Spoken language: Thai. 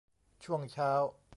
ช่วงเช้า